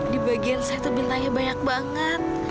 di bagian satu bintangnya banyak banget